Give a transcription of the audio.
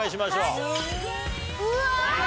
うわ！